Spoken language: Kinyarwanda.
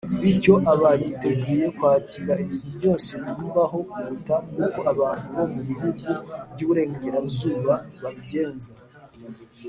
bityo, aba yiteguye kwakira ibintu byose bimubaho kuruta uko abantu bo mu bihugu by’iburengerazuba babigenza.